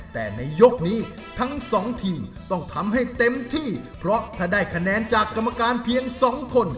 แต่ในยกนี้ทั้งสองทีมต้องทำให้เต็มที่เพราะถ้าได้คะแนนจากกรรมการเพียงสองคน